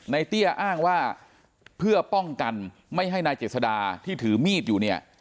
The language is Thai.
เตี้ยอ้างว่าเพื่อป้องกันไม่ให้นายเจษดาที่ถือมีดอยู่เนี่ย